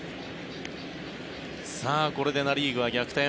さあ、これでナ・リーグは逆転。